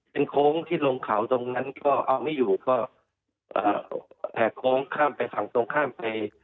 เป็นโค้งที่ลงเขาตรงนั้นก็เอาไม่อยู่ก็แหกโค้งข้ามไปฝั่งตรงข้ามไป